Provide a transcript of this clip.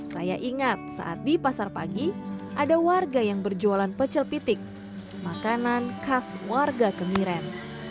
saya ingat saat di pasar pagi ada warga yang berjualan pecel pitik makanan khas warga kemiren